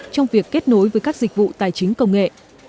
trong việc kết nối với các dịch vụ tài chính công nghệ